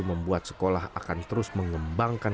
membuat sekolah akan terus mengembangkan